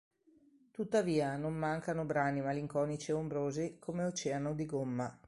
Tuttavia, non mancano brani malinconici e ombrosi, come "Oceano di gomma".